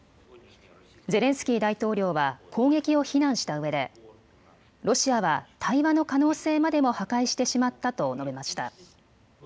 ゼレンスキー大統領は攻撃を非難したうえでロシアは対話の可能性までも破壊してしまったと述べました。